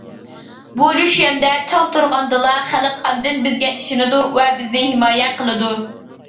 بۇ لۇشيەندە چىڭ تۇرغاندىلا، خەلق ئاندىن بىزگە ئىشىنىدۇ ۋە بىزنى ھىمايە قىلىدۇ.